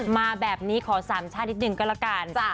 มาแบบนี้ขอสามชาตินิดนึงก็แล้วกัน